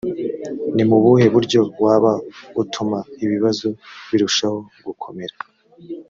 ni mu buhe buryo waba utuma ibibazo birushaho gukomera